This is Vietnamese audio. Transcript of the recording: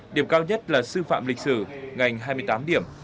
điểm cao nhất là sư phạm lịch sử ngành hai mươi tám điểm